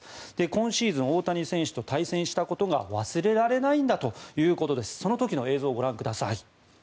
今シーズン大谷選手と対戦したことが忘れられないんだということでその時の映像をご覧ください。